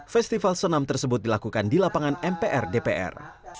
festival senam tersebut dilakukan di lapangan mpr dpr